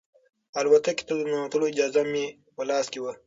الوتکې ته د ننوتلو اجازه مې په لاس کې وه.